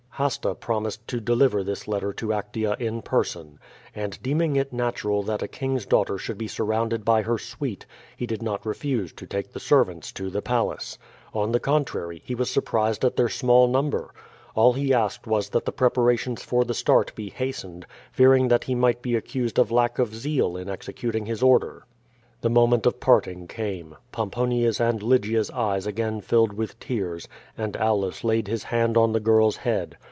Hasta promised to deliver this letter to Actea in person. And deeming it natural that a king's daughter should be sur rounded by her suite, he did not refuse to take the servants to tlie palace. On the contrary, he was surprised at their small number. All he asked was that the preparations for the start be hastened, fearing that he might be accused of lack of zeal in executing his order. 40 Q^O VADI8. The moment of parting came. Pomponia's and Lygia^s eyes again filled with tears, and Aulus laid his hand on the girl's head.